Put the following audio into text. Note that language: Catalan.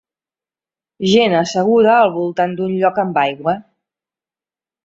Gent asseguda al voltant d'un lloc amb aigua.